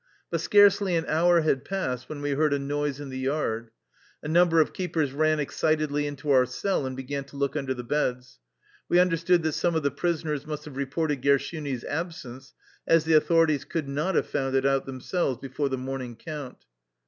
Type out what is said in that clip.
But scarcely an hour had passed when we heard a noise in the yard. A number of keepers ran excitedly into our cell and began to look under the beds. We understood that some of the pris oners must have reported Gershuni's absence, as the authorities could not have found it out themselves before the morning count.